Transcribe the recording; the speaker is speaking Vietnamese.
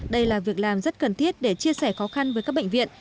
đây là việc làm rất cần thiết để chia sẻ khó khăn với các bệnh viện